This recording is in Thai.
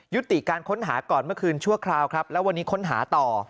ติการค้นหาก่อนเมื่อคืนชั่วคราวครับแล้ววันนี้ค้นหาต่อ